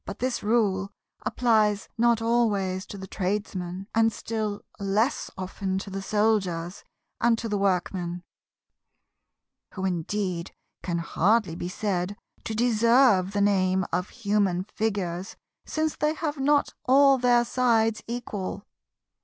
But this rule applies not always to the Tradesman, and still less often to the Soldiers, and to the Workmen; who indeed can hardly be said to deserve the name of human Figures, since they have not all their sides equal.